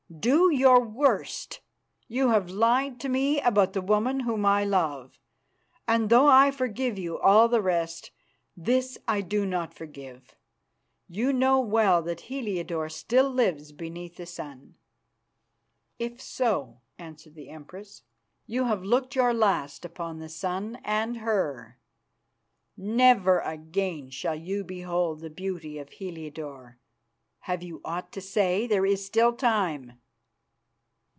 Do your worst. You have lied to me about the woman whom I love, and though I forgive you all the rest, this I do not forgive. You know well that Heliodore still lives beneath the sun." "If so," answered the Empress, "you have looked your last upon the sun and her. Never again shall you behold the beauty of Heliodore. Have you aught to say? There is still time."